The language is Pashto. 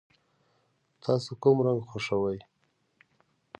تاسو کوم رنګ خوښوئ؟